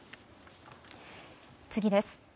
次です。